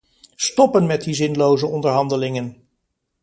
Stoppen met die zinloze onderhandelingen!